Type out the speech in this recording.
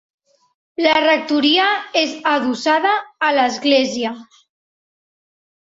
La rectoria és adossada a l'església.